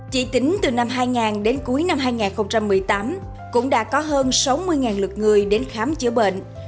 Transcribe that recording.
chỉ tính từ năm hai nghìn đến cuối năm hai nghìn một mươi tám cũng đã có hơn sáu mươi lực người đến khám chữa bệnh